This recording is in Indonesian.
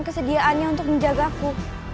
kesediaannya untuk menjagaku